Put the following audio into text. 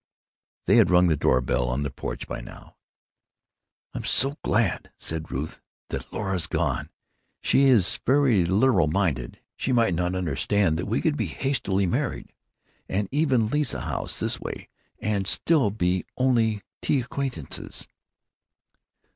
They had rung the door bell on the porch by now. "I'm so glad," said Ruth, "that Laura is gone. She is very literal minded. She might not understand that we could be hastily married and even lease a house, this way, and still be only tea acquaintances."